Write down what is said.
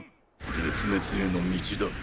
絶滅への道だ。